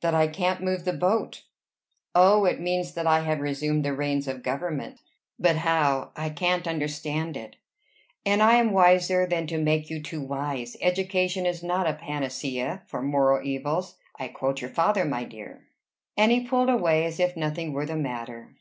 "That I can't move the boat." "Oh! It means that I have resumed the reins of government." "But how? I can't understand it." "And I am wiser than to make you too wise. Education is not a panacea for moral evils. I quote your father, my dear." And he pulled away as if nothing were the matter.